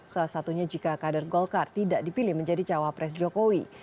salah satunya jika kader golkar tidak dipilih menjadi cawapres jokowi